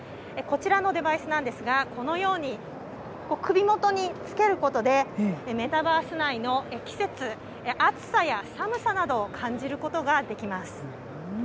こちらのデバイスなんですが、このように首元に付けることで、メタバース内の季節、暑さや寒さなどを感じることができます。